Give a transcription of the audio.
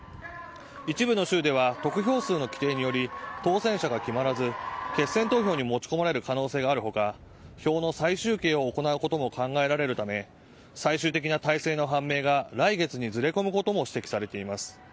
一部の州では得票数の規定により当選者が決まらず決選投票に持ち込まれる可能性がある他票の再集計を行うことも考えられるため最終的な大勢の判明が来月にずれ込むことも指摘されています。